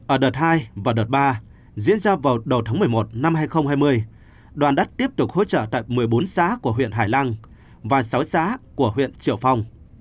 ở đợt hai và đợt ba diễn ra vào đầu tháng một mươi một năm hai nghìn hai mươi đoàn đắt tiếp tục hỗ trợ tại một mươi bốn xã của huyện hải lăng và sáu xã của huyện triệu phong